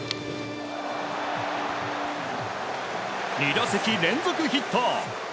２打席連続ヒット。